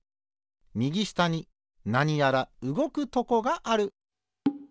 みぎしたになにやらうごくとこがある。